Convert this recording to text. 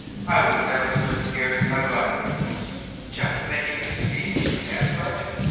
I was never so scared in my life!" "Just making a speech?" asked Roger.